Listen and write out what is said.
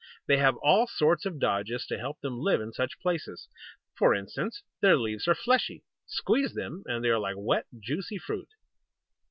They have all sorts of dodges to help them live in such places. For instance, their leaves are fleshy. Squeeze them, and they are like wet, juicy fruit.